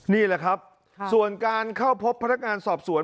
นี่แหละครับส่วนการเข้าพบพนักงานสอบสวน